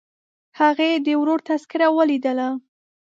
هغې د ورور تذکره ولیدله.